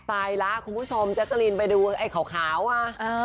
ตายแล้วคุณผู้ชมแจ๊กกะลีนไปดูไอ้ขาวอ่ะ